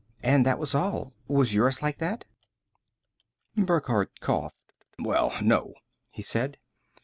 And that was all. Was yours like that?" Burckhardt coughed. "Well, no," he said.